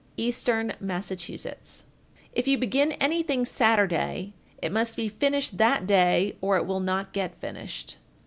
Eastern Massachusetts. 1427. If you begin anything Saturday, it must be finished that day or it will not get finished.